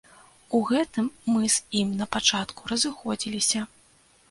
У гэтым мы з ім на пачатку разыходзіліся.